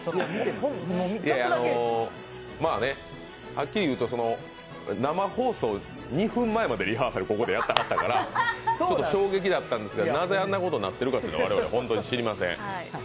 まあね、はっきり言うと生放送２分前までリハーサルここでやってはったから、衝撃だったんだけどなぜ、あんなことになってるのか我々は知りません。